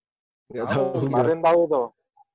si marlin tau tuh